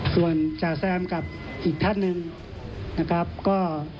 ส่วนจ่าแซมกับอีกท่านหนึ่งนะครับก็